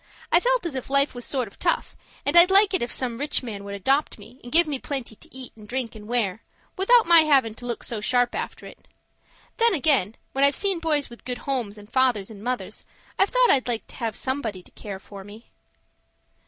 I felt as if life was sort of tough, and I'd like it if some rich man would adopt me, and give me plenty to eat and drink and wear, without my havin' to look so sharp after it. Then agin' when I've seen boys with good homes, and fathers, and mothers, I've thought I'd like to have somebody to care for me."